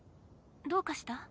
どうかした？